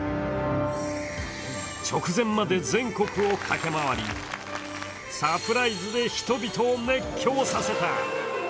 直前まで全国を駆け回り、サプライズで人々を熱狂させた。